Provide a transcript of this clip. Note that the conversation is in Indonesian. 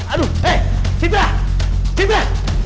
aduh eh cintra